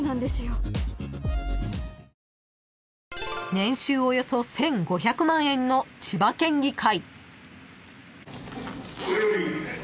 ［年収およそ１，５００万円の千葉県議会］